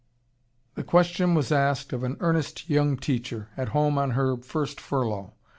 The question was asked of an earnest young teacher, at home on her first furlough.